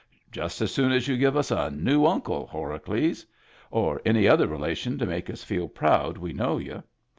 — "Just as soon as you give us a new Uncle, Horacles. Or any other relation to make us feel proud we know you.